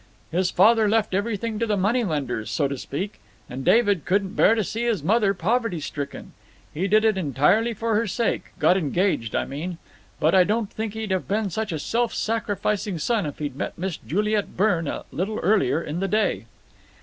His father left everything to the moneylenders, so to speak, and David couldn't bear to see his mother poverty stricken. He did it entirely for her sake got engaged, I mean but I don't think he'd have been such a self sacrificing son if he'd met Miss Juliet Byrne a little earlier in the day."